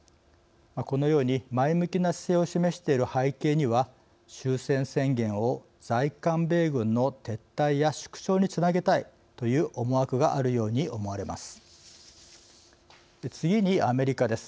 このように前向きな姿勢を示している背景には終戦宣言を在韓米軍の撤退や縮小につなげたいという思惑があるように思われます。